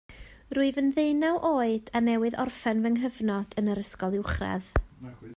Rwyf yn ddeunaw oed a newydd orffen fy nghyfnod yn yr ysgol uwchradd